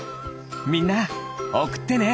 みんなおくってね！